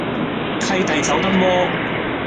契弟走得摩